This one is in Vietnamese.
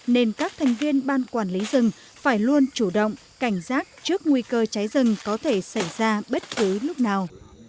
nên các thành viên ban quản lý rừng phải luôn chủ động cảnh giác trước nguy cơ cháy rừng có thể xảy ra bất cứ lúc nào